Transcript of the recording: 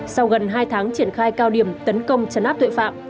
sau gần hai tháng triển khai cao điểm tấn công chấn áp tội phạm